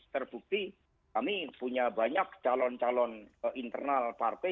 terbukti kami punya banyak calon calon internal partai